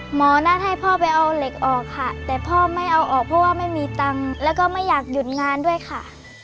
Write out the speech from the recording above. หมอนัดให้พ่อไปเอาเหล็กออกค่ะแต่พ่อไม่เอาออกเพราะว่าไม่มีตังค์แล้วก็ไม่อยากหยุดงานด้วยค่ะ